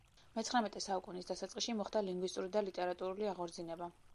მეცხრამეტე საუკუნის დასაწყისში მოხდა ლინგვისტური და ლიტერატურული აღორძინება.